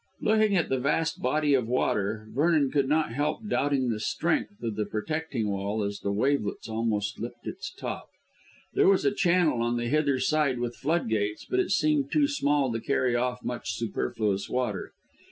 Looking at that vast body of water, Vernon could not help doubting the strength of the protecting wall as the wavelets almost lipped its top. There was a channel on the hither side with flood gates, but it seemed too small to carry off much superfluous water.